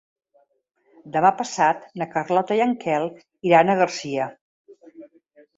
Demà passat na Carlota i en Quel iran a Garcia.